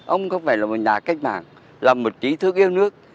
ông không phải là một nhà cách mạng là một ký thức yêu nước